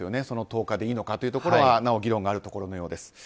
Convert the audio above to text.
その１０日でいいのかというところはなお議論があるところのようです。